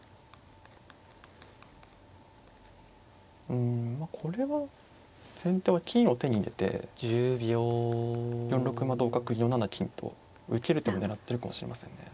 うんまあこれは先手は金を手に入れて４六馬同角４七金と受ける手を狙ってるかもしれませんね。